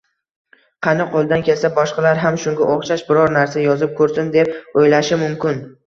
Qani, qoʻlidan kelsa, boshqalar ham shunga oʻxshash biror narsa yozib koʻrsin, deb oʻylashi mumkin